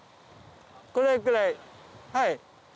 これくらいはい。